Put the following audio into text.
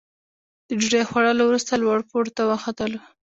د ډوډۍ خوړلو وروسته لوړ پوړ ته وختلو.